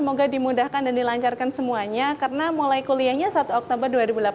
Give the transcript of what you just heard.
semoga dimudahkan dan dilancarkan semuanya karena mulai kuliahnya satu oktober dua ribu delapan belas